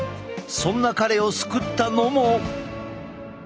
そんな彼を救ったのも。